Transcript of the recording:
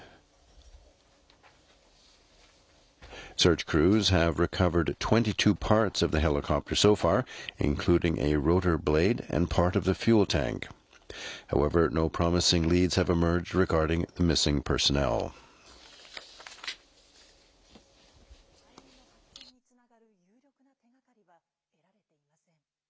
しかし、隊員の発見につながる有力な手がかりは得られていません。